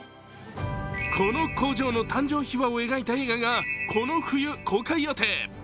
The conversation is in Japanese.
この工場の誕生秘話を描いた映画がこの冬公開決定。